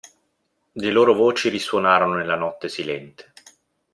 Le loro voci risuonarono nella notte silente.